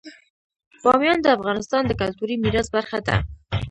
بامیان د افغانستان د کلتوري میراث برخه ده.